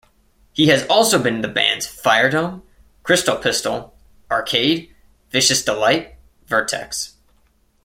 He has also been in the bands Firedome, Crystal Pystal, Arcade, Vicious Delite, Vertex.